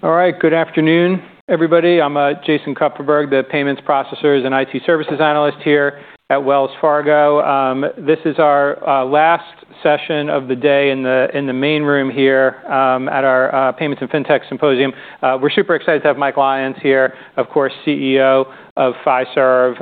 All right. Good afternoon, everybody. I'm Jason Kupferberg, the payments processing and IT services analyst here at Wells Fargo. This is our last session of the day in the main room here at our payments and FinTech symposium. We're super excited to have Michael Lyons here, of course, CEO of Fiserv.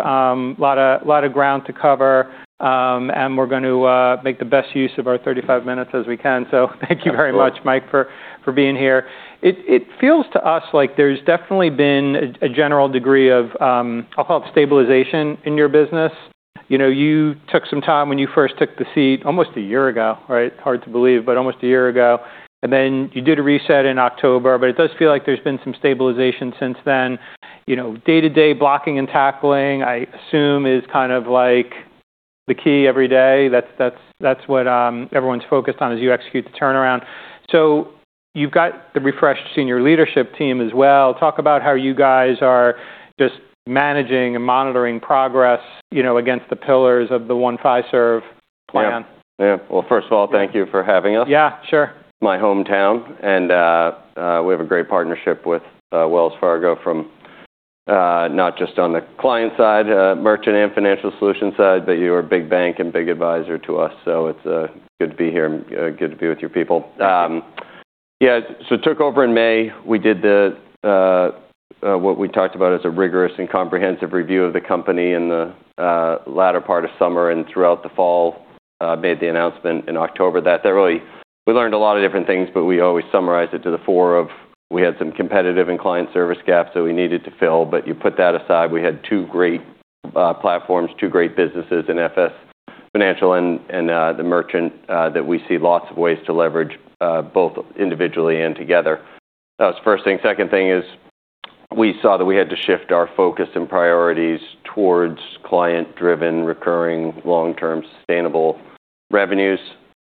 Lot of ground to cover, and we're gonna make the best use of our 35 minutes as we can. Thank you very much. Absolutely Thank you very much Michael, for being here. It feels to us like there's definitely been a general degree of, I'll call it stabilization in your business. You know, you took some time when you first took the seat almost a year ago, right? Hard to believe, but almost a year ago, and then you did a reset in October. It does feel like there's been some stabilization since then. You know, day-to-day blocking and tackling, I assume, is kind of like the key every day. That's what everyone's focused on as you execute the turnaround. You've got the refreshed senior leadership team as well. Talk about how you guys are just managing and monitoring progress, you know, against the pillars of the One Fiserv plan. Yeah. Yeah. Well, first of all, thank you for having us. Yeah, sure. We have a great partnership with Wells Fargo, not just on the client side, merchant and financial solution side, but you're a big bank and big advisor to us, so it's good to be here and good to be with you people. Thank you. Yeah, took over in May. We did what we talked about as a rigorous and comprehensive review of the company in the latter part of summer and throughout the fall. Made the announcement in October. We learned a lot of different things, but we always summarize it to the four of, we had some competitive and client service gaps that we needed to fill. You put that aside, we had two great platforms, two great businesses in Financial Solutions and Merchant Solutions that we see lots of ways to leverage both individually and together. That's first thing. Second thing is we saw that we had to shift our focus and priorities towards client-driven, recurring, long-term, sustainable revenues.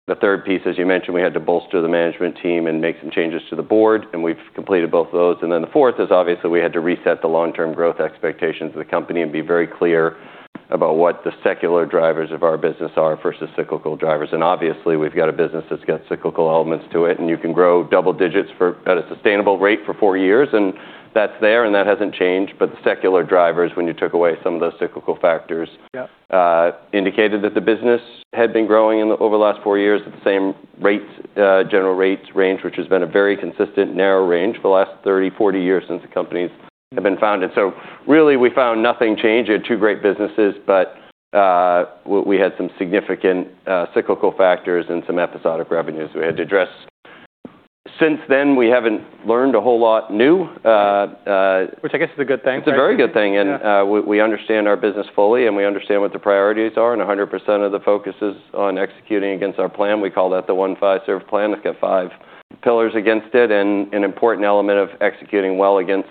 The third piece, as you mentioned, we had to bolster the management team and make some changes to the board, and we've completed both of those. The fourth is obviously we had to reset the long-term growth expectations of the company and be very clear about what the secular drivers of our business are versus cyclical drivers. Obviously, we've got a business that's got cyclical elements to it, and you can grow double digits at a sustainable rate for four years, and that's there, and that hasn't changed. The secular drivers, when you took away some of those cyclical factors- Yeah Indicated that the business had been growing over the last four years at the same rate, general rates range, which has been a very consistent narrow range for the last 30, 40 years since the companies have been founded. Really we found nothing changed. We had two great businesses, but we had some significant cyclical factors and some episodic revenues we had to address. Since then, we haven't learned a whole lot new. Which I guess is a good thing. It's a very good thing. Yeah. We understand our business fully, and we understand what the priorities are, and 100% of the focus is on executing against our plan. We call that the One Fiserv plan. It's got five pillars against it. An important element of executing well against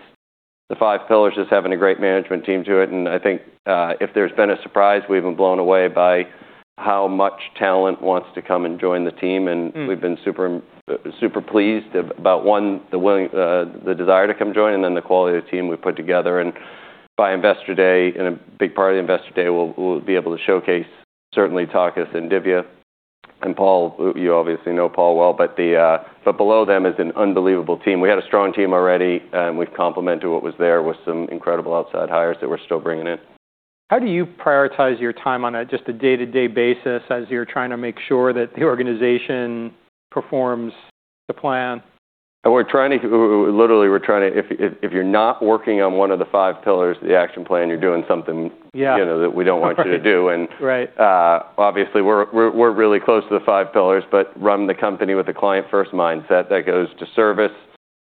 the five pillars is having a great management team do it. I think, if there's been a surprise, we've been blown away by how much talent wants to come and join the team. Mm. We've been super pleased about one, the willingness, the desire to come join, and then the quality of the team we've put together. By Investor Day, and a big part of the Investor Day, we'll be able to showcase, certainly Takis and Dhivya, and Paul. You obviously know Paul well. But below them is an unbelievable team. We had a strong team already, and we've complemented what was there with some incredible outside hires that we're still bringing in. How do you prioritize your time on just a day-to-day basis as you're trying to make sure that the organization performs the plan? We're literally trying to. If you're not working on one of the five pillars, the action plan, you're doing something. Yeah You know, that we don't want you to do. Right. Obviously we're really close to the five pillars but run the company with a client-first mindset that goes to service,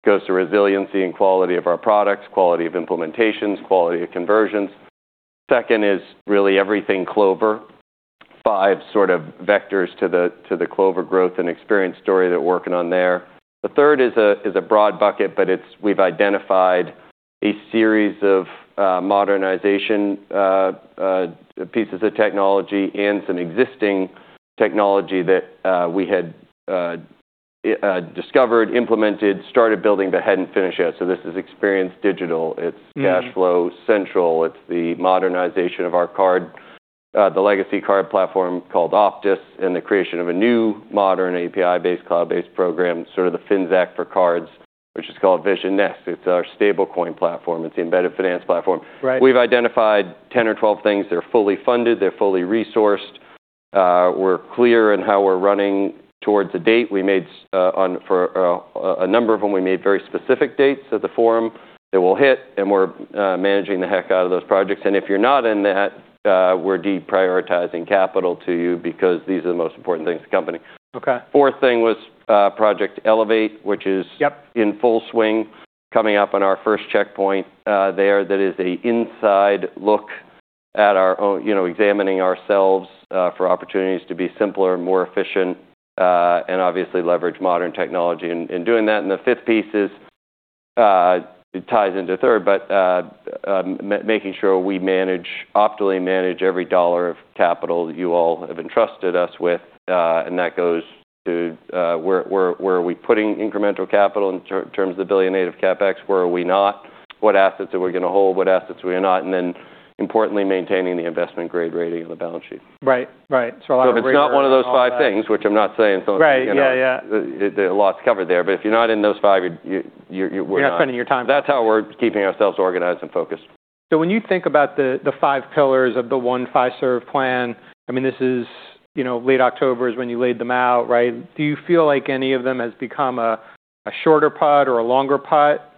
goes to resiliency and quality of our products, quality of implementations, quality of conversions. Second is really everything Clover, five sort of vectors to the Clover growth and experience story they're working on there. The third is a broad bucket, but we've identified a series of modernization pieces of technology and some existing technology that we had discovered, implemented, started building but hadn't finished yet. This is Experience Digital. Mm-hmm. It's Cash Flow Central. It's the modernization of our card, the legacy card platform called Optis, and the creation of a new modern API-based, cloud-based program, sort of the FinTech for cards, which is called Vision Next. It's our stablecoin platform. It's the embedded finance platform. Right. We've identified 10 or 12 things. They're fully funded. They're fully resourced. We're clear in how we're running towards a date. For a number of them, we made very specific dates at the forum that we'll hit, and we're managing the heck out of those projects. If you're not in that, we're deprioritizing capital to you because these are the most important things to the company. Okay. Fourth thing was Project Elevate. Yep In full swing, coming up on our first checkpoint, there. That is an inside look at our own, you know, examining ourselves, for opportunities to be simpler and more efficient, and obviously leverage modern technology in doing that. The fifth piece is, it ties into third, but, making sure we optimally manage every dollar of capital that you all have entrusted us with. That goes to, where are we putting incremental capital in terms of the billion native CapEx? Where are we not? What assets are we gonna hold, what assets we are not, and then importantly, maintaining the investment-grade rating of the balance sheet. Right. Right. A lot of great If it's not one of those five things, which I'm not saying. Right. Yeah. Yeah. You know, the law's covered there. If you're not in those five, we're not- You're not spending your time. That's how we're keeping ourselves organized and focused. When you think about the five pillars of the One Fiserv plan, I mean, this is, you know, late October is when you laid them out, right? Do you feel like any of them has become a shorter putt or a longer putt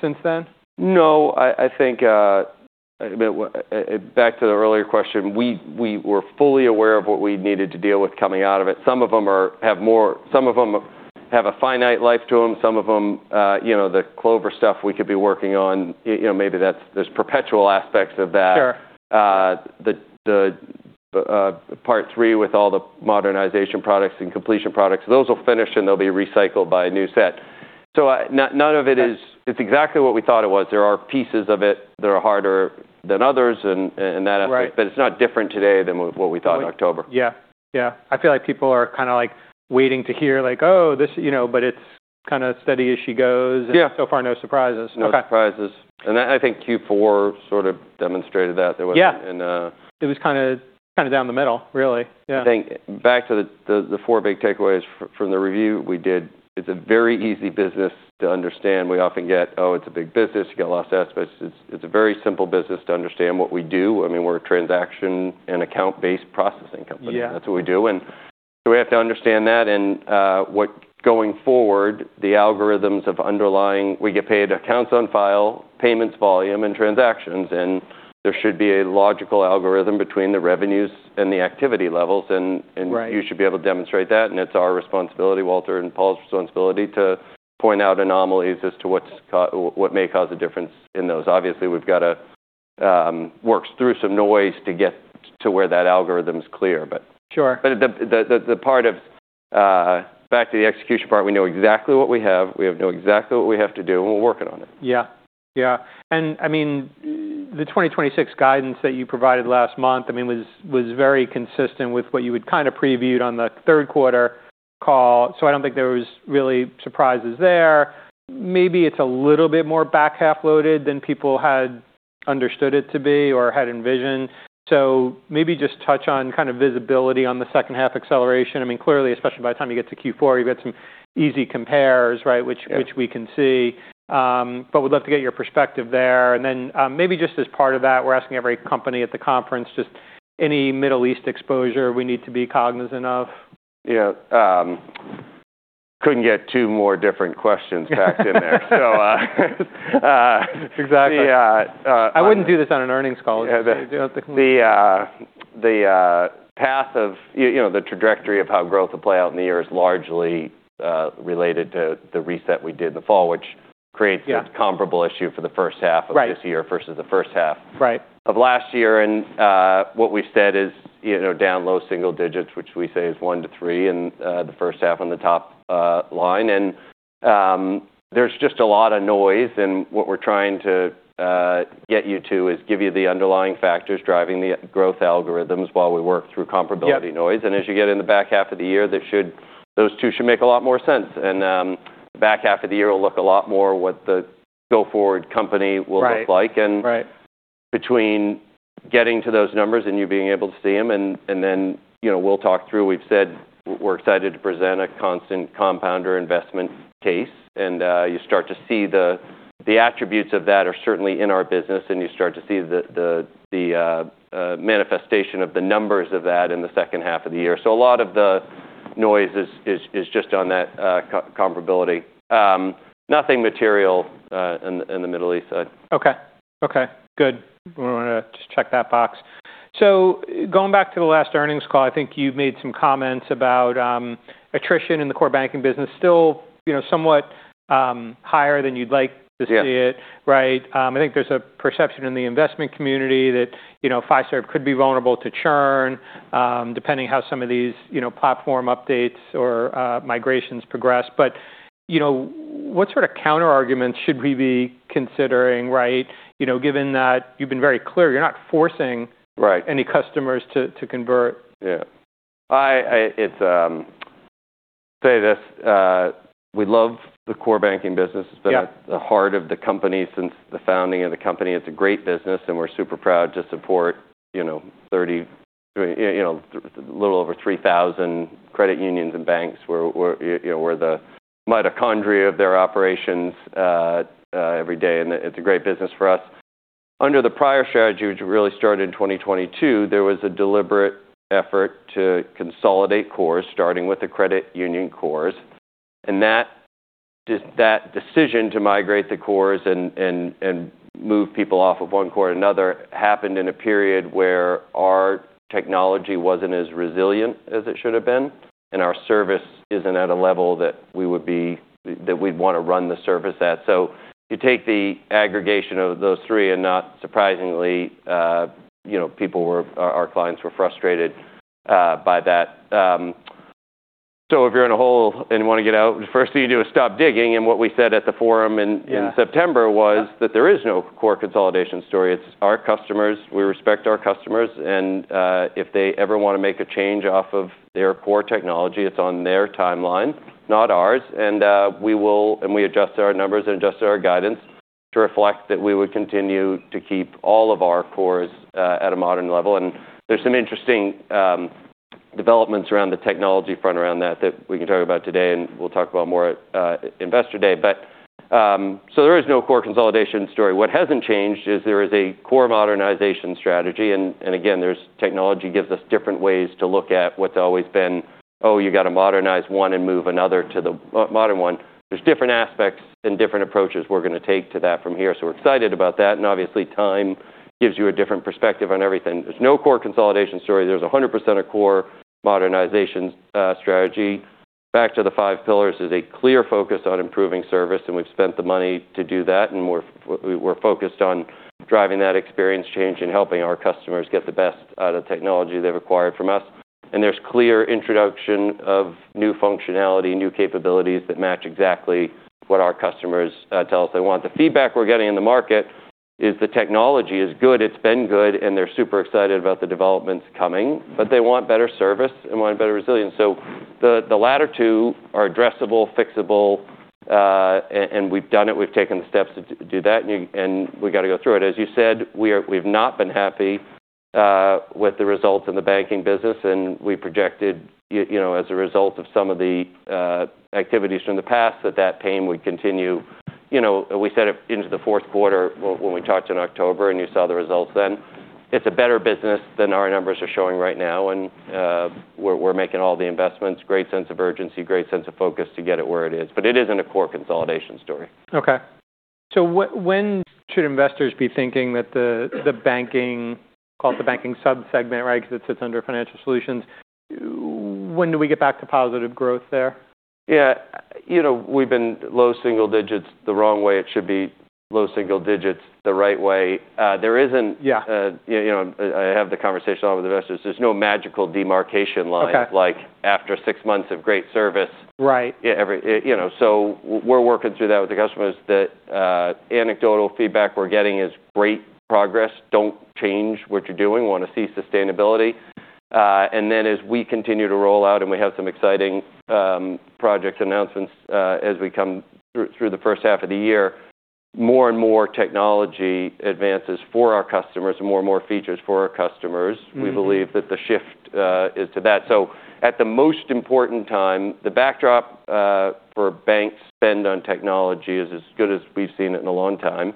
since then? No, I think, I mean, back to the earlier question, we were fully aware of what we needed to deal with coming out of it. Some of them have a finite life to them. Some of them, you know, the Clover stuff we could be working on, you know, maybe that there's perpetual aspects of that. Sure. The part three with all the modernization products and completion products, those will finish, and they'll be recycled by a new set. None of it is. Right. It's exactly what we thought it was. There are pieces of it that are harder than others in that aspect. Right. It's not different today than what we thought in October. Yeah. Yeah. I feel like people are kinda like waiting to hear like, "Oh, this." You know? But it's kinda steady as she goes. Yeah. So far, no surprises. No surprises. Okay. I think Q4 sort of demonstrated that there was. Yeah... and, uh- It was kinda down the middle really. Yeah. I think back to the four big takeaways from the review we did. It's a very easy business to understand. We often get, "Oh, it's a big business. You got a lot of aspects." It's a very simple business to understand what we do. I mean, we're a transaction and account-based processing company. Yeah. That's what we do, and so we have to understand that. We get paid for accounts on file, payments volume, and transactions. There should be a logical algorithm between the revenues and the activity levels. Right you should be able to demonstrate that, and it's our responsibility, Walter, and Paul's responsibility to point out anomalies as to what may cause a difference in those. Obviously, we've got to work through some noise to get to where that algorithm's clear but Sure. back to the execution part, we know exactly what we have. We know exactly what we have to do, and we're working on it. Yeah. Yeah. I mean, the 2026 guidance that you provided last month, I mean, was very consistent with what you had kinda previewed on the third quarter call. I don't think there was really surprises there. Maybe it's a little bit more back-half loaded than people had understood it to be or had envisioned. Maybe just touch on kind of visibility on the second half acceleration. I mean, clearly, especially by the time you get to Q4, you've got some easy compares, right? Yeah. Which we can see. We'd love to get your perspective there. Maybe just as part of that, we're asking every company at the conference just any Middle East exposure we need to be cognizant of? Yeah. Couldn't get two more different questions packed in there. Exactly. The, uh- I wouldn't do this on an earnings call. You gotta do it at the. You know, the trajectory of how growth will play out in the year is largely related to the reset we did in the fall, which creates Yeah this comparable issue for the first half. Right of this year versus the first half Right Of last year. What we've said is, you know, down low single digits, which we say is 1%-3% in the first half on the top line. There's just a lot of noise, and what we're trying to get you to is give you the underlying factors driving the growth algorithms while we work through comparability noise. Yep. As you get in the back half of the year, that should those two should make a lot more sense. The back half of the year will look a lot more what the go-forward company will look like. Right. Right. Between getting to those numbers and you being able to see them, you know, we'll talk through. We've said we're excited to present a constant compounder investment case, and you start to see the attributes of that are certainly in our business, and you start to see the manifestation of the numbers of that in the second half of the year. A lot of the noise is just on that comparability. Nothing material in the Middle East side. Okay, good. Wanna just check that box. Going back to the last earnings call, I think you made some comments about attrition in the core banking business still, you know, somewhat higher than you'd like to see it. Yeah. Right? I think there's a perception in the investment community that, you know, Fiserv could be vulnerable to churn, depending how some of these, you know, platform updates or, migrations progress. You know, what sort of counterarguments should we be considering, right? You know, given that you've been very clear you're not forcing- Right any customers to convert. Yeah. We love the core banking business. Yeah. It's been at the heart of the company since the founding of the company. It's a great business, and we're super proud to support 30 little over 3,000 credit unions and banks. We're the mitochondria of their operations every day, and it's a great business for us. Under the prior strategy, which really started in 2022, there was a deliberate effort to consolidate cores, starting with the credit union cores. That decision to migrate the cores and move people off of one core to another happened in a period where our technology wasn't as resilient as it should have been, and our service isn't at a level that we would be that we'd wanna run the service at. You take the aggregation of those three, and not surprisingly, you know, our clients were frustrated by that. If you're in a hole and wanna get out, the first thing you do is stop digging. What we said at the forum in- Yeah In September was that there is no core consolidation story. It's our customers. We respect our customers. If they ever wanna make a change off of their core technology, it's on their timeline, not ours. We adjust our numbers and adjust our guidance to reflect that we would continue to keep all of our cores at a modern level. There's some interesting developments around the technology front around that we can talk about today, and we'll talk about more at Investor Day. There is no core consolidation story. What hasn't changed is there is a core modernization strategy, and again, there's Technology gives us different ways to look at what's always been, "Oh, you gotta modernize one and move another to the modern one." There are different aspects and different approaches we're gonna take to that from here. We're excited about that, and obviously, time gives you a different perspective on everything. There's no core consolidation story. There's 100% a core modernization strategy. Back to the five pillars is a clear focus on improving service, and we've spent the money to do that. We're focused on driving that experience change and helping our customers get the best out of technology they've acquired from us. There's clear introduction of new functionality, new capabilities that match exactly what our customers tell us they want. The feedback we're getting in the market is the technology is good, it's been good, and they're super excited about the developments coming, but they want better service and want better resilience. The latter two are addressable, fixable, and we've done it. We've taken the steps to do that, and you and we gotta go through it. As you said, we've not been happy with the results in the banking business, and we projected, you know, as a result of some of the activities from the past that pain would continue. You know, we set it into the fourth quarter when we talked in October, and you saw the results then. It's a better business than our numbers are showing right now, and we're making all the investments. Great sense of urgency, great sense of focus to get it where it is, but it isn't a core consolidation story. Okay. When should investors be thinking that the banking sub-segment, right? 'Cause it sits under Financial Solutions. When do we get back to positive growth there? Yeah. You know, we've been low single digits the wrong way. It should be low single digits the right way. Yeah. You know, I have the conversation all with investors. There's no magical demarcation line. Okay Like after six months of great service. Right. You know, so we're working through that with the customers. The anecdotal feedback we're getting is great progress. "Don't change what you're doing. Wanna see sustainability." As we continue to roll out, and we have some exciting project announcements, as we come through the first half of the year, more and more technology advances for our customers and more and more features for our customers. Mm-hmm. We believe that the shift is to that. At the most important time, the backdrop for bank spend on technology is as good as we've seen it in a long time,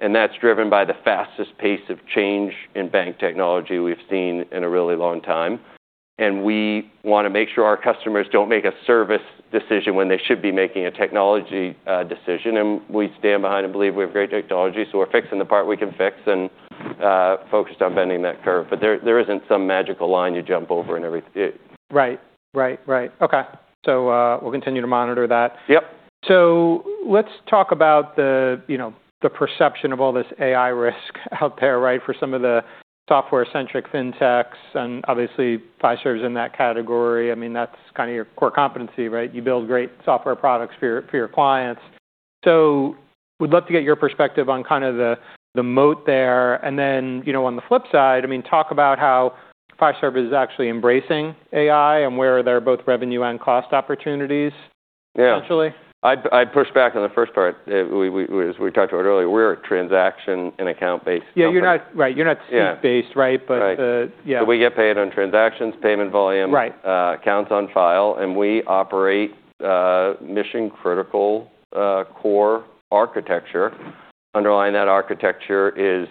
and that's driven by the fastest pace of change in bank technology we've seen in a really long time. We wanna make sure our customers don't make a service decision when they should be making a technology decision. We stand behind and believe we have great technology, so we're fixing the part we can fix and focused on bending that curve. There isn't some magical line you jump over. Right. Okay. We'll continue to monitor that. Yep. Let's talk about the, you know, the perception of all this AI risk out there, right? For some of the software-centric FinTech, and obviously Fiserv's in that category. I mean, that's kinda your core competency, right? You build great software products for your clients. We'd love to get your perspective on kind of the moat there. Then, you know, on the flip side, I mean, talk about how Fiserv is actually embracing AI and where there are both revenue and cost opportunities. Yeah Potentially. I'd push back on the first part. As we talked about earlier, we're a transaction and account-based company. Yeah, you're not. Right. You're not. Yeah. Suite based, right? But the. Right. Yeah. We get paid on transactions, payment volume- Right accounts on file, and we operate mission-critical core architecture. Underlying that architecture is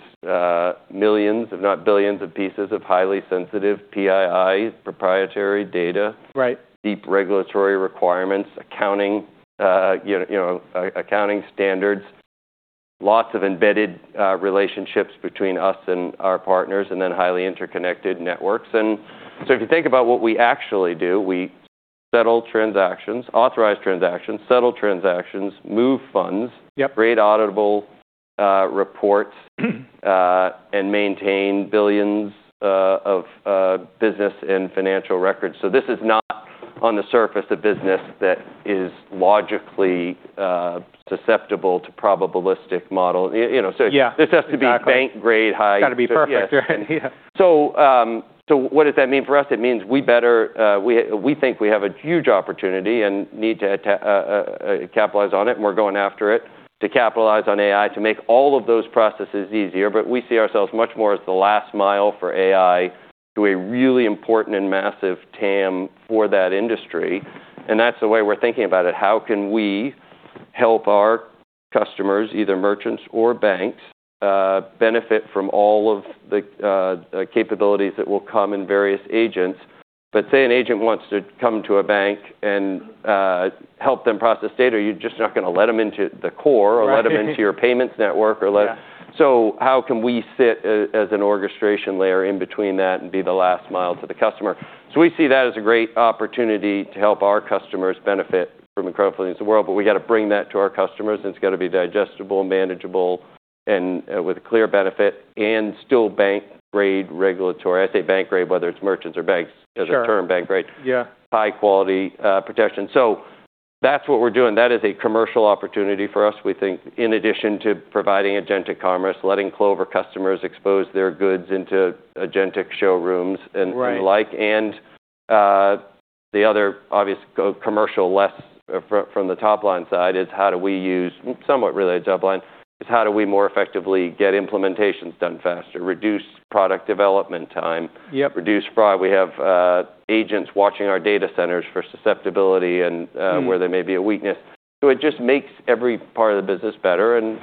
millions if not billions of pieces of highly sensitive PII, proprietary data. Right. Deep regulatory requirements, accounting, you know, accounting standards. Lots of embedded relationships between us and our partners, and then highly interconnected networks. If you think about what we actually do, we settle transactions, authorize transactions, settle transactions, move funds. Yep create auditable reports and maintain billions of business and financial records. This is not on the surface a business that is logically susceptible to probabilistic model. You know, so- Yeah. Exactly. This has to be bank-grade high. Gotta be perfect. Yes. Right. Yeah. What does that mean for us? It means we think we have a huge opportunity and need to capitalize on it, and we're going after it to capitalize on AI to make all of those processes easier. We see ourselves much more as the last mile for AI to a really important and massive TAM for that industry, and that's the way we're thinking about it. How can we help our customers, either merchants or banks, benefit from all of the capabilities that will come in various agents? Say an agent wants to come to a bank and help them process data. You're just not gonna let them into the core. Right. let them into your payments network. Yeah. How can we sit as an orchestration layer in between that and be the last mile to the customer? We see that as a great opportunity to help our customers benefit from the incredible things in the world, but we gotta bring that to our customers, and it's gotta be digestible, manageable, and with a clear benefit and still bank-grade regulatory. I say bank-grade, whether it's merchants or banks. Sure as a term, bank-grade. Yeah. High quality protection. That's what we're doing. That is a commercial opportunity for us, we think, in addition to providing agentic commerce, letting Clover customers expose their goods into agentic showrooms and- Right... and the like. The other obvious commercial levers from the top line side is how do we more effectively get implementations done faster, reduce product development time. Yep. Reduce fraud. We have agents watching our data centers for susceptibility and Mm-hmm. Where there may be a weakness. It just makes every part of the business better and,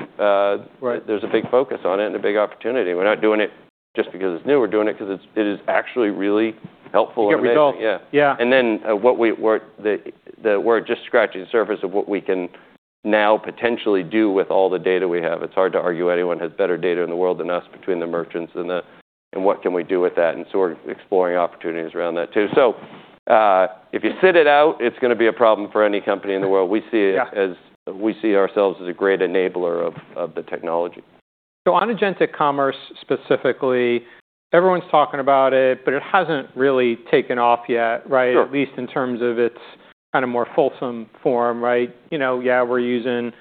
Right. There's a big focus on it and a big opportunity. We're not doing it just because it's new. We're doing it 'cause it is actually really helpful. You get results. Yeah. Yeah. We're just scratching the surface of what we can now potentially do with all the data we have. It's hard to argue anyone has better data in the world than us between the merchants, and what can we do with that, and so we're exploring opportunities around that too. If you sit it out, it's gonna be a problem for any company in the world. We see it. Yeah. We see ourselves as a great enabler of the technology. On agentic commerce specifically, everyone's talking about it, but it hasn't really taken off yet, right? Sure. At least in terms of its kind of more fulsome form, right? You know, yeah, we're using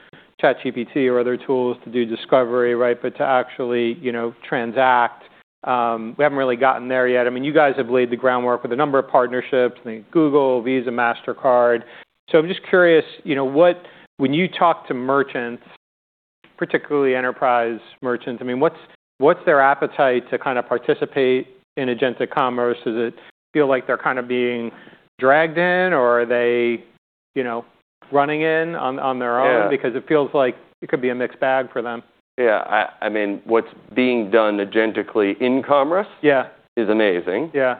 ChatGPT or other tools to do discovery, right? But to actually, you know, transact, we haven't really gotten there yet. I mean, you guys have laid the groundwork with a number of partnerships, I think Google, Visa, Mastercard. So I'm just curious, you know, what, when you talk to merchants, particularly enterprise merchants, I mean, what's their appetite to kind of participate in agentic commerce? Does it feel like they're kind of being dragged in or are they, you know, running in on their own? Yeah. Because it feels like it could be a mixed bag for them. I mean, what's being done agentically in commerce? Yeah. Is amazing. Yeah.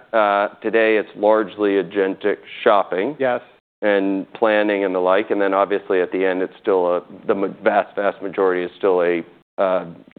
Today it's largely agentic shopping. Yes. Planning and the like, and then obviously at the end, the vast majority is still a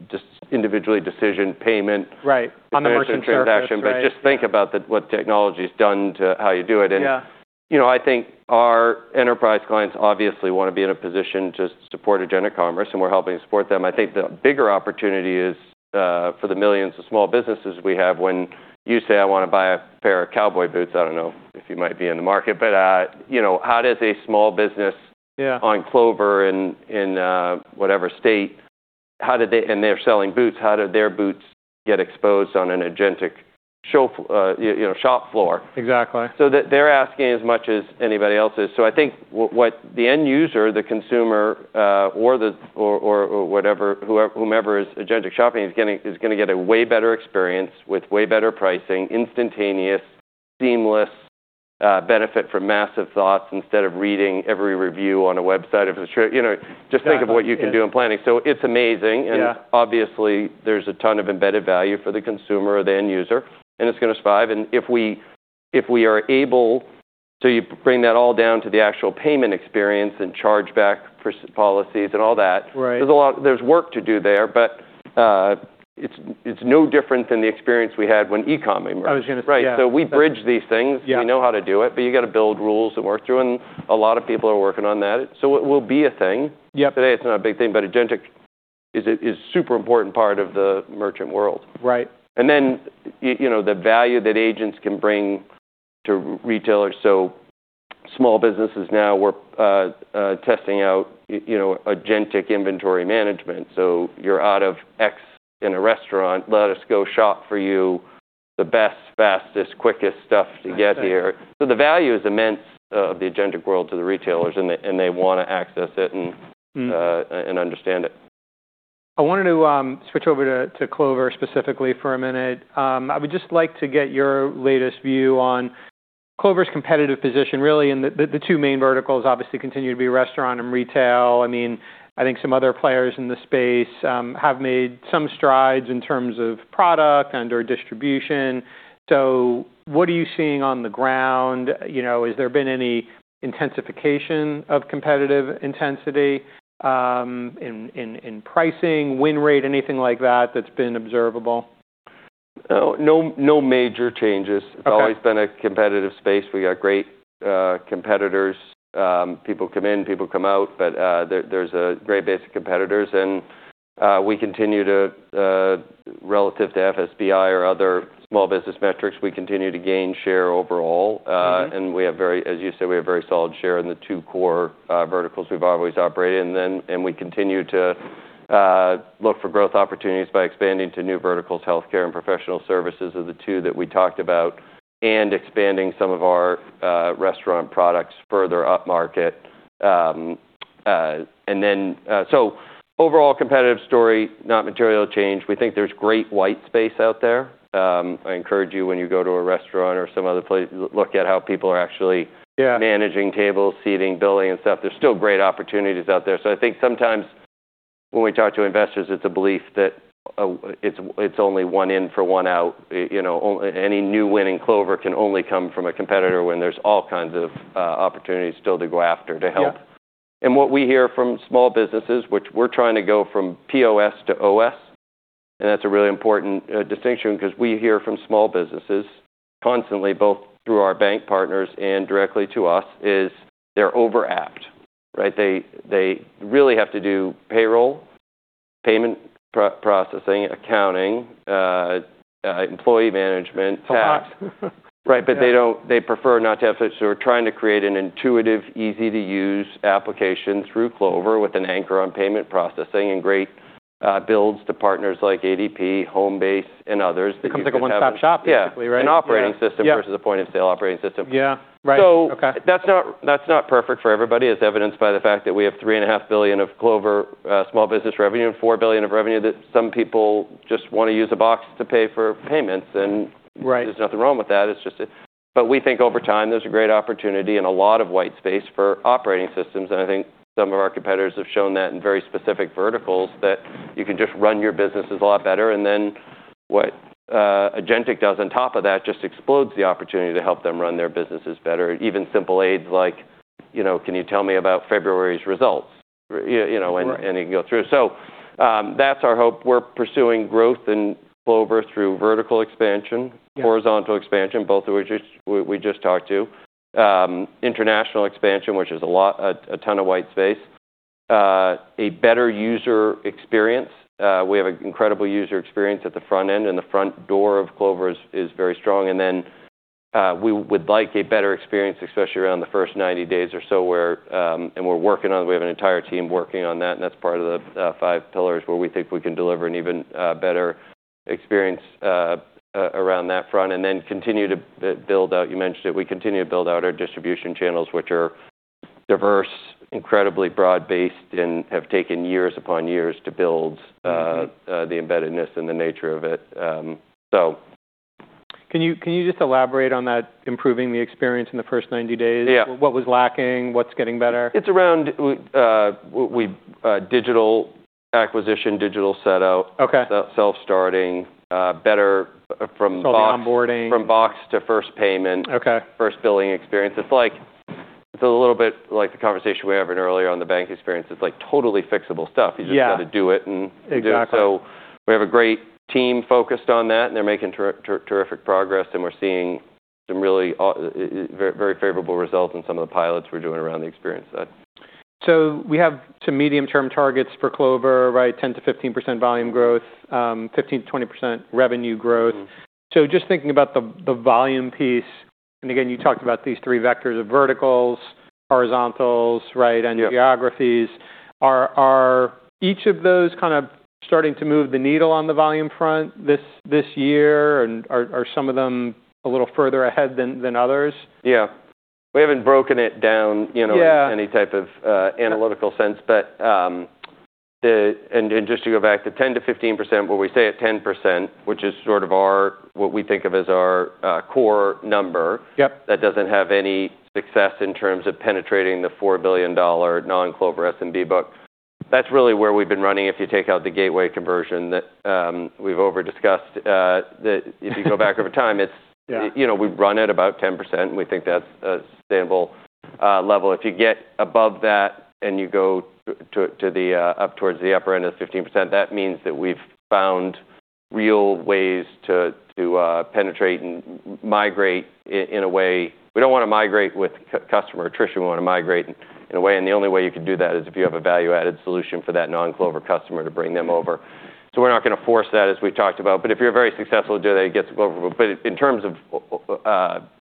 just individual decision payment. Right. On the merchant services, right. Yeah. Just think about what technology's done to how you do it. Yeah. You know, I think our enterprise clients obviously wanna be in a position to support agentic commerce, and we're helping support them. I think the bigger opportunity is for the millions of small businesses we have. When you say, "I wanna buy a pair of cowboy boots," I don't know if you might be in the market, but you know, how does a small business Yeah. On Clover in whatever state, how do they, and they're selling boots, how do their boots get exposed on an adjacent shelf, you know, shop floor? Exactly. They're asking as much as anybody else is. I think what the end user, the consumer, or whatever, whoever is agentic shopping is gonna get a way better experience with way better pricing, instantaneous, seamless, benefit from massive thoughts instead of reading every review on a website of a shirt. You know, just think of what you can do in planning. It's amazing. Yeah. Obviously, there's a ton of embedded value for the consumer or the end user, and it's gonna thrive. If we are able to bring that all down to the actual payment experience and chargeback policies and all that. Right. There's work to do there, but it's no different than the experience we had when e-com emerged. Yeah. Right. We bridge these things. Yeah. We know how to do it, but you gotta build rules to work through, and a lot of people are working on that. It will be a thing. Yep. Today, it's not a big thing, but agentic is a super important part of the merchant world. Right. You know, the value that agents can bring to retailers. Small businesses now we're testing out, you know, agentic inventory management. You're out of X in a restaurant, let us go shop for you the best, fastest, quickest stuff to get here. Nice. Yeah. The value is immense of the agentic world to the retailers, and they wanna access it. Mm. understand it. I wanted to switch over to Clover specifically for a minute. I would just like to get your latest view on Clover's competitive position really in the two main verticals, obviously continue to be restaurant and retail. I mean, I think some other players in the space have made some strides in terms of product and/or distribution. What are you seeing on the ground? You know, has there been any intensification of competitive intensity in pricing, win rate, anything like that that's been observable? No major changes. Okay. It's always been a competitive space. We got great competitors. People come in, people come out, but there's a great base of competitors and we continue to gain share overall relative to FSBI or other small business metrics. Mm-hmm. As you say, we have very solid share in the two core verticals we've always operated in. We continue to look for growth opportunities by expanding to new verticals. Healthcare and professional services are the two that we talked about, and expanding some of our restaurant products further up market. Overall competitive story, not material change. We think there's great white space out there. I encourage you when you go to a restaurant or some other place, look at how people are actually Yeah. Managing tables, seating, billing, and stuff. There's still great opportunities out there. I think sometimes when we talk to investors, it's a belief that, it's only one in for one out. You know, any new win in Clover can only come from a competitor when there's all kinds of, opportunities still to go after to help. Yeah. What we hear from small businesses, which we're trying to go from POS to OS, and that's a really important distinction 'cause we hear from small businesses constantly, both through our bank partners and directly to us, is they're overlapped, right? They really have to do payroll, payment processing, accounting, employee management, tax. It's a lot. Right. They don't, they prefer not to have to. We're trying to create an intuitive, easy-to-use application through Clover with an anchor on payment processing and great builds to partners like ADP, Homebase, and others. It becomes like a one-stop shop, basically, right? Yeah. An operating system. Yeah versus a point-of-sale operating system. Yeah. Right. So- Okay... that's not perfect for everybody, as evidenced by the fact that we have $3.5 billion of Clover small business revenue and $4 billion of revenue that some people just wanna use a box to pay for payments and Right There's nothing wrong with that. It's just that we think over time, there's a great opportunity and a lot of white space for operating systems, and I think some of our competitors have shown that in very specific verticals that you can just run your businesses a lot better. Then what Agentic does on top of that just explodes the opportunity to help them run their businesses better. Even simple aids like, you know, can you tell me about February's results? You know. Right It can go through. That's our hope. We're pursuing growth in Clover through vertical expansion- Yeah Horizontal expansion, both of which we just talked to. International expansion, which is a lot, a ton of white space. A better user experience. We have an incredible user experience at the front end, and the front door of Clover is very strong. We would like a better experience, especially around the first 90 days or so where we're working on it. We have an entire team working on that, and that's part of the five pillars where we think we can deliver an even better experience around that front. You mentioned it, we continue to build out our distribution channels, which are diverse, incredibly broad-based, and have taken years upon years to build. Mm-hmm the embeddedness and the nature of it. Can you just elaborate on that improving the experience in the first 90 days? Yeah. What was lacking? What's getting better? It's around digital acquisition, digital setup. Okay. Self-starting, better from box- The onboarding. From box to first payment. Okay. First billing experience. It's like. It's a little bit like the conversation we were having earlier on the bank experience. It's, like, totally fixable stuff. Yeah. You just gotta do it. Exactly do it. We have a great team focused on that, and they're making terrific progress, and we're seeing some really very, very favorable results in some of the pilots we're doing around the experience side. We have some medium-term targets for Clover, right? 10%-15% volume growth. Mm-hmm. 15%-20% revenue growth. Mm-hmm. Just thinking about the volume piece, and again, you talked about these three vectors of verticals, horizontals, right? Yep. Geographies. Are each of those kind of starting to move the needle on the volume front this year? Are some of them a little further ahead than others? Yeah. We haven't broken it down, you know. Yeah In any type of analytical sense. Just to go back to 10%-15%, where we say at 10%, which is sort of our core number. Yep. That doesn't have any success in terms of penetrating the $4 billion non-Clover SMB book. That's really where we've been running, if you take out the gateway conversion that we've overdiscussed, if you go back over time, it's Yeah You know, we've run at about 10%, and we think that's a sustainable level. If you get above that and you go to the up towards the upper end of 15%, that means that we've found real ways to penetrate and migrate in a way. We don't wanna migrate with customer attrition, we wanna migrate in a way. The only way you can do that is if you have a value-added solution for that non-Clover customer to bring them over. We're not gonna force that, as we've talked about. If you're very successful doing it gets Clover. In terms of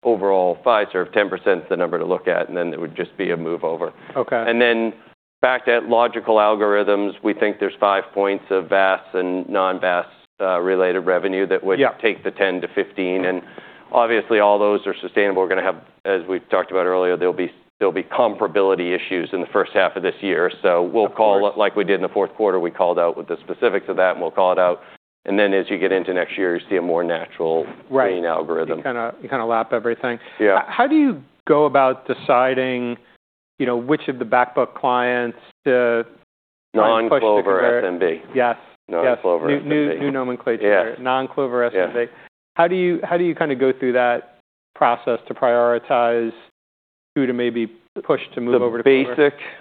overall Fiserv, 10%'s the number to look at, and then it would just be a move over. Okay. Back to that logical algorithms, we think there's five points of VAS and non-VAS related revenue that would- Yeah take the 10-15. Obviously, all those are sustainable. We're gonna have, as we talked about earlier, there'll be comparability issues in the first half of this year. We'll call- Of course. out, like we did in the fourth quarter, we called out with the specifics of that, and we'll call it out. As you get into next year, you see a more natural. Right Green algorithm. You kinda lap everything. Yeah. How do you go about deciding, you know, which of the back book clients to? Non-Clover SMB. Yes. Non-Clover SMB. Yes. New nomenclature. Yeah. Non-Clover SMB. Yeah. How do you kinda go through that process to prioritize who to maybe push to move over to Clover?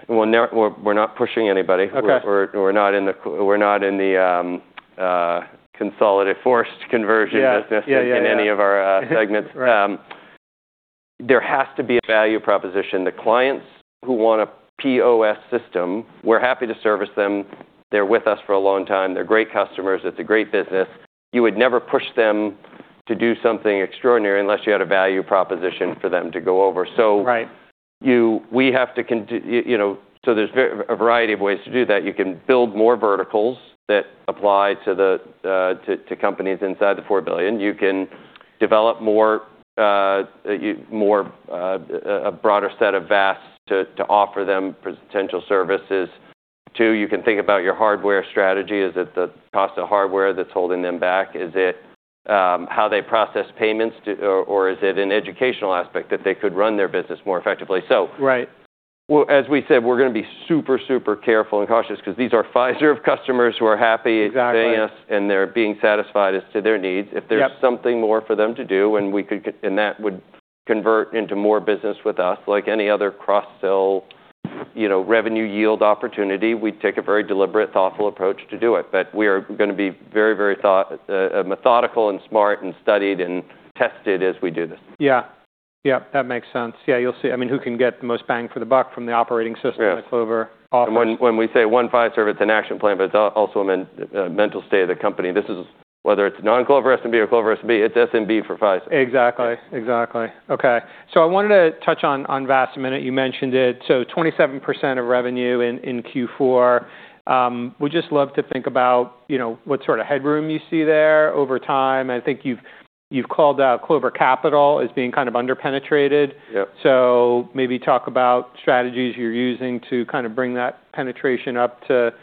Well, we're not pushing anybody. Okay. We're not in the consolidated forced conversion business. Yeah.... in any of our segments. Right. There has to be a value proposition. The clients who want a POS system, we're happy to service them. They're with us for a long time. They're great customers. It's a great business. You would never push them to do something extraordinary unless you had a value proposition for them to go over. Right You know, there's a variety of ways to do that. You can build more verticals that apply to the companies inside the $4 billion. You can develop a broader set of VAS to offer them for potential services. Two, you can think about your hardware strategy. Is it the cost of hardware that's holding them back? Is it how they process payments or is it an educational aspect that they could run their business more effectively? Right As we said, we're gonna be super careful and cautious because these are Fiserv customers who are happy. Exactly Paying us, and they're being satisfied as to their needs. Yep. If there's something more for them to do, and that would convert into more business with us, like any other cross-sell, you know, revenue yield opportunity, we'd take a very deliberate, thoughtful approach to do it. We are gonna be very, very methodical and smart and studied and tested as we do this. Yeah. Yep, that makes sense. Yeah, you'll see. I mean, who can get the most bang for the buck from the operating system that Clover offers. When we say One Fiserv, it's an action plan, but it's also a mental state of the company. This is whether it's non-Clover SMB or Clover SMB, it's SMB for Fiserv. Exactly. I wanted to touch on VAS a minute. You mentioned it. 27% of revenue in Q4. We just love to think about, you know, what sort of headroom you see there over time. I think you've called out Clover Capital as being kind of under-penetrated. Yep. Maybe talk about strategies you're using to kinda bring that penetration up to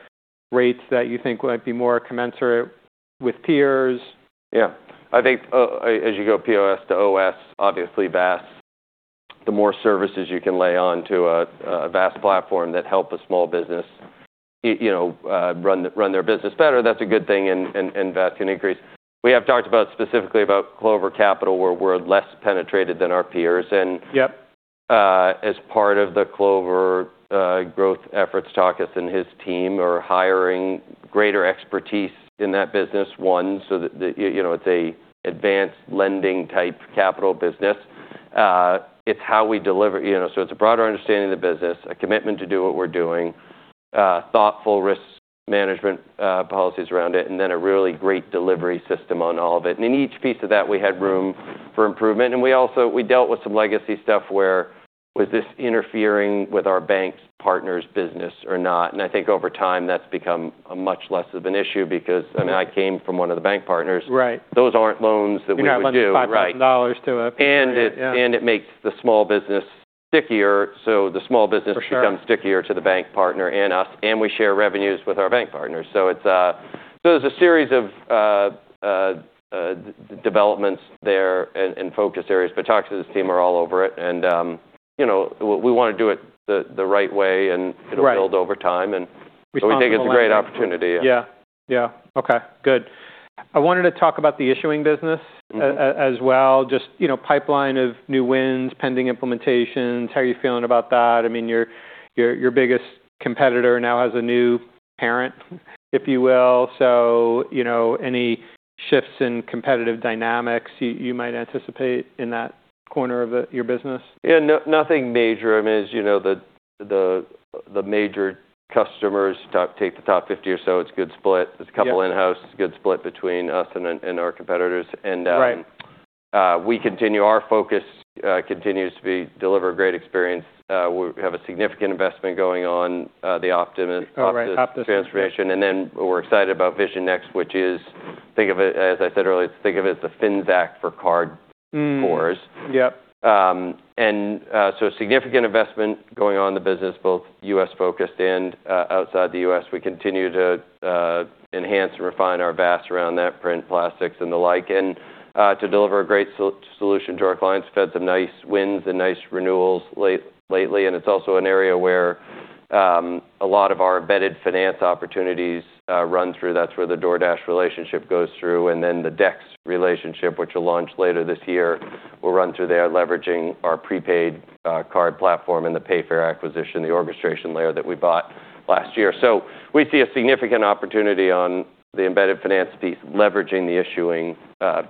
rates that you think might be more commensurate with peers. I think, as you go POS to OS, obviously VAS, the more services you can lay on to a VAS platform that help a small business, you know, run their business better, that's a good thing, and VAS can increase. We have talked specifically about Clover Capital, where we're less penetrated than our peers and Yep As part of the Clover growth efforts, Takis and his team are hiring greater expertise in that business, so that. You know, it's an advanced lending type capital business. It's how we deliver. You know, so it's a broader understanding of the business, a commitment to do what we're doing, thoughtful risk management policies around it, and then a really great delivery system on all of it. In each piece of that, we had room for improvement. We also dealt with some legacy stuff where, was this interfering with our bank partner's business or not? I think over time, that's become a much less of an issue because, I mean, I came from one of the bank partners. Right. Those aren't loans that we would do. You're not lending $5,000 to a. Right. Yeah, yeah. It makes the small business stickier, so the small business For sure. Becomes stickier to the bank partner and us, and we share revenues with our bank partners. It's a series of developments there and focus areas, but Takis and his team are all over it. You know, we wanna do it the right way, and- Right It'll build over time, and Responsible lending We think it's a great opportunity. Yeah. Okay, good. I wanted to talk about the issuing business. Mm-hmm as well, just, you know, pipeline of new wins, pending implementations. How are you feeling about that? I mean, your biggest competitor now has a new parent, if you will. You know, any shifts in competitive dynamics you might anticipate in that corner of your business? Yeah. Nothing major. I mean, as you know, the major customers, take the top 50 or so, it's a good split. Yeah. There's a couple in-house. It's a good split between us and our competitors. Right Our focus continues to be deliver a great experience. We have a significant investment going on, the Optima- Oh, right. Optis Optis transformation. We're excited about Vision Next, which is, think of it, as I said earlier, think of it as a FinTech for card issuers. Yep. A significant investment going on in the business, both U.S.-focused and outside the U.S. We continue to enhance and refine our VAS around net print, plastics, and the like, and to deliver a great solution to our clients. We've had some nice wins and nice renewals lately, and it's also an area where a lot of our embedded finance opportunities run through. That's where the DoorDash relationship goes through, and then the Dex relationship, which will launch later this year, will run through there, leveraging our prepaid card platform and the Payfare acquisition, the orchestration layer that we bought last year. We see a significant opportunity on the embedded finance piece, leveraging the issuing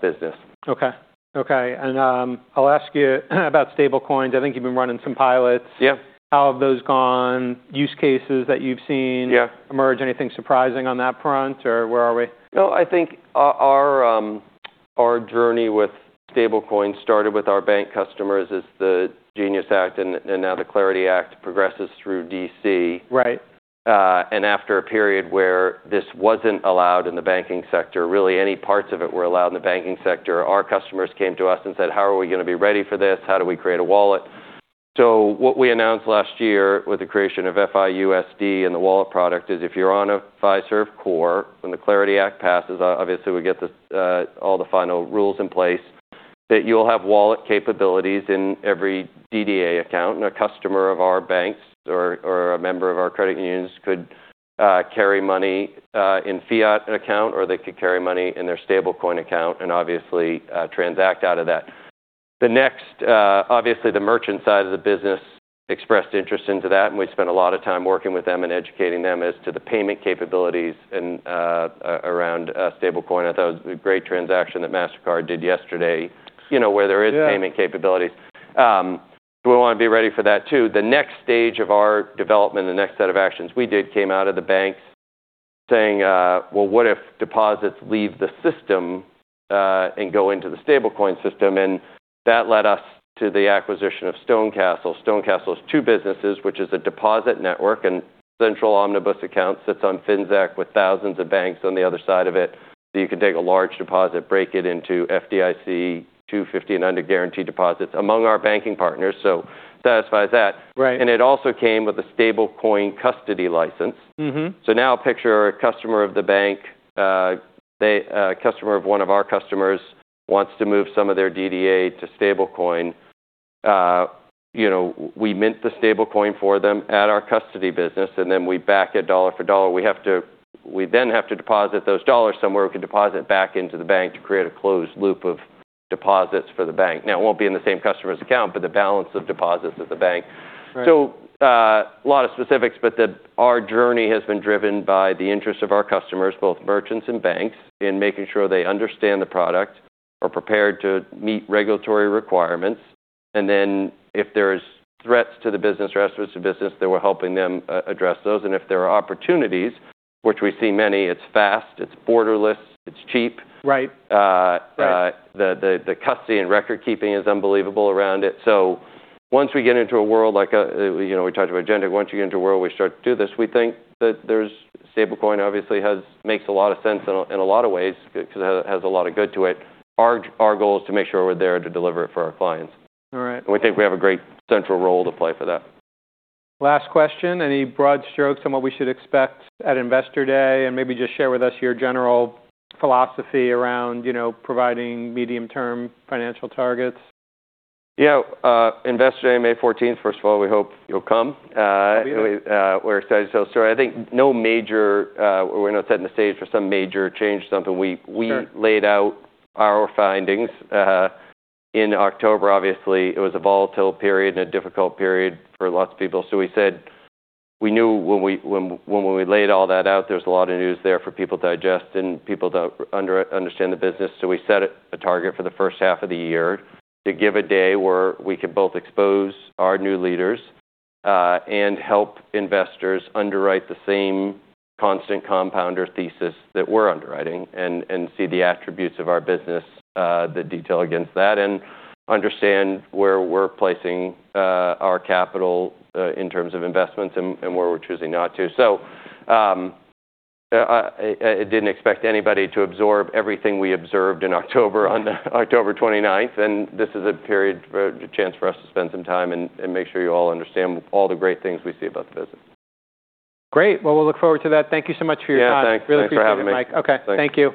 business. Okay. I'll ask you about stablecoins. I think you've been running some pilots. Yep. How have those gone? Use cases that you've seen. Yeah Emerge, anything surprising on that front, or where are we? No, I think our journey with stablecoins started with our bank customers as the GENIUS Act and now the CLARITY Act progresses through D.C. Right. After a period where this wasn't allowed in the banking sector, really any parts of it were allowed in the banking sector, our customers came to us and said, "How are we gonna be ready for this? How do we create a wallet?" What we announced last year with the creation of FIUSD and the wallet product is if you're on a Fiserv core, when the CLARITY Act passes, obviously we get all the final rules in place, that you'll have wallet capabilities in every DDA account. A customer of our banks or a member of our credit unions could carry money in fiat account, or they could carry money in their stablecoin account and obviously transact out of that. The next... Obviously, the merchant side of the business expressed interest into that, and we spent a lot of time working with them and educating them as to the payment capabilities and around stablecoin. I thought it was a great transaction that Mastercard did yesterday, you know, where there is. Yeah Payment capabilities. We wanna be ready for that too. The next stage of our development, the next set of actions we did came out of the banks saying, "Well, what if deposits leave the system, and go into the stablecoin system?" That led us to the acquisition of StoneCastle. StoneCastle is two businesses, which is a deposit network and central omnibus account, sits on FinTech with thousands of banks on the other side of it, so you can take a large deposit, break it into FDIC 250 and under guaranteed deposits among our banking partners. Satisfies that. Right. It also came with a stablecoin custody license. Mm-hmm. Picture a customer of the bank, a customer of one of our customers wants to move some of their DDA to stablecoin. We mint the stablecoin for them at our custody business, and then we back it dollar for dollar. We then have to deposit those dollars somewhere. We can deposit back into the bank to create a closed loop of deposits for the bank. Now, it won't be in the same customer's account, but the balance of deposits at the bank. Right. A lot of specifics, but our journey has been driven by the interest of our customers, both merchants and banks, in making sure they understand the product or prepared to meet regulatory requirements. Then if there's threats to the business or risks to business, then we're helping them address those. If there are opportunities, which we see many, it's fast, it's borderless, it's cheap. Right. Right. The custody and record keeping is unbelievable around it. Once you get into a world, we start to do this. We think that stablecoin obviously makes a lot of sense in a lot of ways because it has a lot of good to it. Our goal is to make sure we're there to deliver it for our clients. All right. We think we have a great central role to play for that. Last question. Any broad strokes on what we should expect at Investor Day? Maybe just share with us your general philosophy around, you know, providing medium-term financial targets. Yeah, Investor Day, May 14th. First of all, we hope you'll come. I'll be there. We're excited to tell the story. I think no major, we're not setting the stage for some major change or something. Sure We laid out our findings in October. Obviously, it was a volatile period and a difficult period for lots of people. We said we knew when we laid all that out, there's a lot of news there for people to digest and people to understand the business. We set a target for the first half of the year to give a day where we could both expose our new leaders and help investors underwrite the same constant compounder thesis that we're underwriting and see the attributes of our business, the detail against that, and understand where we're placing our capital in terms of investments and where we're choosing not to. I didn't expect anybody to absorb everything we observed in October on October 29th, and this is a period for A chance for us to spend some time and make sure you all understand all the great things we see about the business. Great. Well, we'll look forward to that. Thank you so much for your time. Yeah, thanks. Thanks for having me. Really appreciate it, Mike. Okay. Thank you.